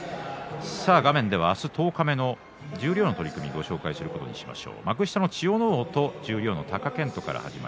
画面では明日十日目の十両の取組をご紹介することにしましょう。